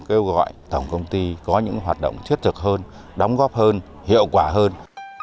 kêu gọi tổng công ty có những hoạt động thiết thực hơn đóng góp hơn hiệu quả hơn